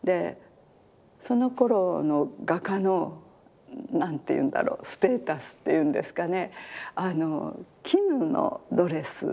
そのころの画家の何ていうんだろうステータスっていうんですかね